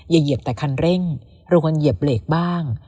เหยียบแต่คันเร่งรวมกันเหยียบเหล็กบ้าง